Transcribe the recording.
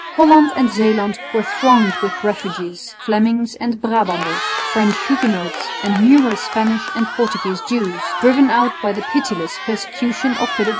Holland and Zeeland were thronged with refugees, Flemings and Brabanters, French Huguenots and numerous Spanish and Portuguese Jews, driven out by the pitiless persecution of Philip II.